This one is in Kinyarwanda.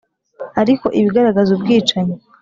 ariko ibigaragaza ubwicanyi